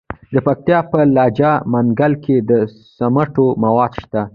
د پکتیا په لجه منګل کې د سمنټو مواد شته.